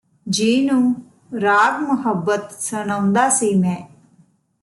ਜਿਹਨੂੰ ਰਾਗ ਮੁਹੱਬਤ ਸੁਣਾਉਦਾ ਸੀ ਮੈਂ